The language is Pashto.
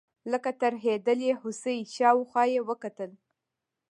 لکه ترهېدلې هوسۍ شاوخوا یې وکتل.